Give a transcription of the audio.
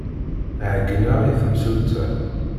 Ɛeyyneɣ i temsulta.